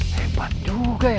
hebat juga ya